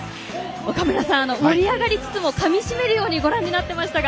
岡村さん、盛り上がりつつもかみしめるようにご覧になっていましたが。